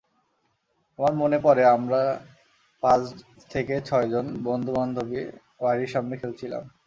আমার মনে পড়ে আমরা পাঁচ থেকে ছয়জন বন্ধুবান্ধবী বাড়ির সামনে খেলছিলাম।